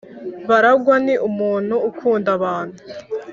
Baragwa ni umuntu ukunda abantu